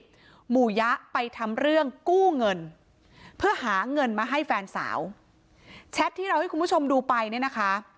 แชทที่เราให้คุณผู้ชมดูไปเนี่ยนะคะ